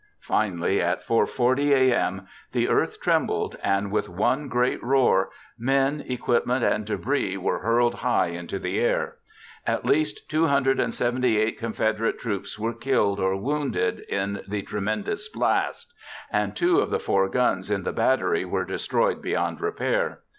Finally, at 4:40 a.m., the earth trembled, and with one great roar, men, equipment, and debris were hurled high into the air. At least 278 Confederate troops were killed or wounded in the tremendous blast, and two of the four guns in the battery were destroyed beyond repair.